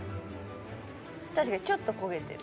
確かにちょっと焦げてる。